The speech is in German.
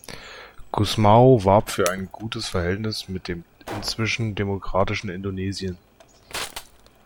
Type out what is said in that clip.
Gusmão warb für ein gutes Verhältnis mit dem inzwischen demokratischen Indonesien.